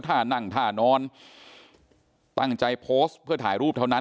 ท่านั่งท่านอนตั้งใจโพสต์เพื่อถ่ายรูปเท่านั้น